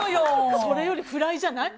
それよりフライじゃない。